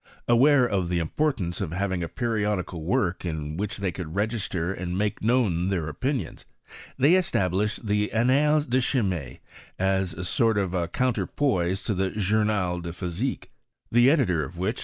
Aware of the importance of having a periodical work in which they could register and make known their opinions, they established the Annales de Chimie, as a sort of counterpoise to the Journal de Physiquey the editor of which , M.